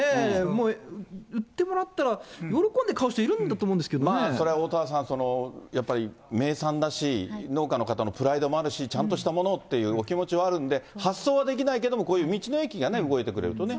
もう売ってもらったら、喜んで買う人、いるんだと思うんですけどまあ、それはおおたわさん、やっぱり名産だし、農家の方もプライドもあるし、ちゃんとしたものをっていうお気持ちはあるんで、発送はできないけど、こういう道の駅が動いてくれるとね。